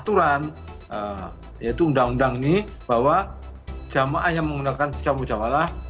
aturan yaitu undang undang ini bahwa jamaah yang menggunakan visa mujamalah